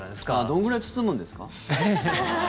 どんぐらい包むんですか？